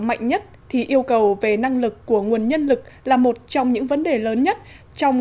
mạnh nhất thì yêu cầu về năng lực của nguồn nhân lực là một trong những vấn đề lớn nhất trong